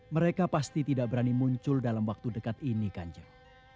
mereka pasti tidak berani muncul dalam waktu dekat ini kanjeng